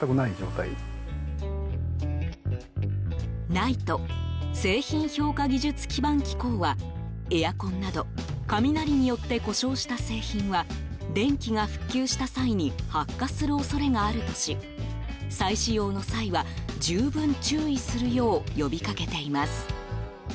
ＮＩＴＥ・製品評価技術基盤機構はエアコンなど雷によって故障した製品は電気が復旧した際に発火する恐れがあるとし再使用の際は十分注意するよう呼び掛けています。